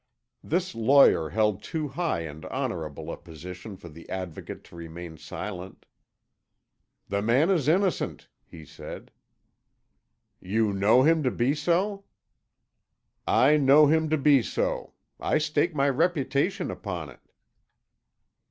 This lawyer held too high and honourable a position for the Advocate to remain silent. "The man is innocent," he said. "You know him to be so?" "I know him to be so. I stake my reputation upon it."